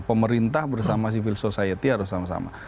pemerintah bersama civil society harus sama sama